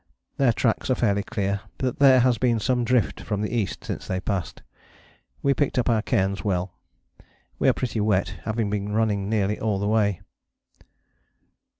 Their tracks are fairly clear, but there has been some drift from the east since they passed. We picked up our cairns well. We are pretty wet, having been running nearly all the way.